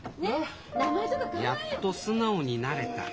「やっと素直になれた」。